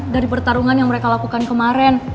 dari pertarungan yang mereka lakukan kemarin